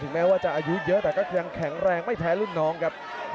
แม้ว่าจะอายุเยอะแต่ก็ยังแข็งแรงไม่แพ้รุ่นน้องครับ